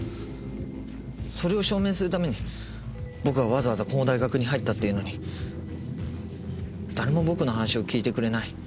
それを証明するために僕はわざわざこの大学に入ったっていうのに誰も僕の話を聞いてくれない。